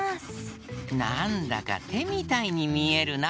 なんだかてみたいにみえるな。